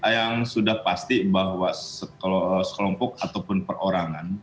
yang sudah pasti bahwa sekelompok ataupun perorangan